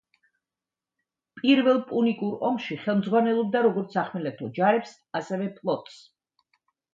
პირველ პუნიკურ ომში ხელმძღვანელობდა როგორც სახმელეთო ჯარებს, ასევე ფლოტს.